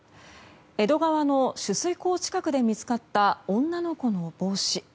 江戸川の取水口近くで見つかった女の子の帽子。